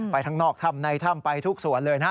ไปทั้งนอกถ้ำในถ้ำไปทุกส่วนเลยนะฮะ